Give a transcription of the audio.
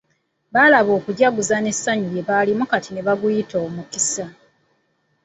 Balaba okujaguza n'essanyu lye balimu kati ne baguyita omukisa.